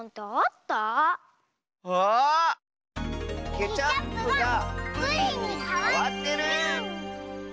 ケチャップがプリンにかわってる！ウォウ！